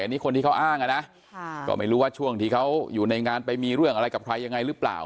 อันนี้คนที่เขาอ้างนะก็ไม่รู้ว่าช่วงที่เขาอยู่ในงานไปมีเรื่องอะไรกับใครยังไงหรือเปล่า